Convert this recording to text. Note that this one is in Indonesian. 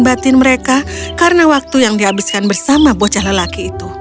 lebih dalam tentang kecantikan batin mereka karena waktu yang dihabiskan bersama bocah lelaki itu